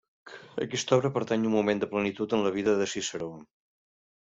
Aquesta obra pertany a un moment de plenitud en la vida de Ciceró.